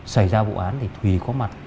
xảy ra vụ án thì thùy có mặt